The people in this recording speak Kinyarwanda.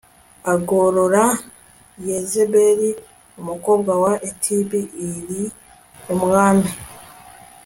arongora yezebeli umukobwa wa etib ili umwami